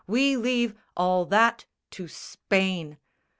We leave All that to Spain."